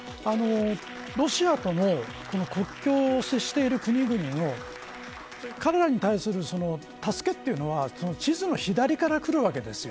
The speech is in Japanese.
ロシアとの国境を接している国々の彼らに対する助けというのは地図の左から来るわけです。